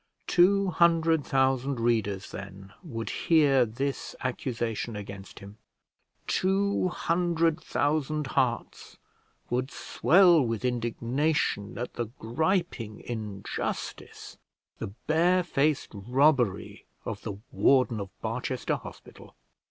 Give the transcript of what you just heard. Two hundred thousand readers then would hear this accusation against him; two hundred thousand hearts would swell with indignation at the griping injustice, the barefaced robbery of the warden of Barchester Hospital!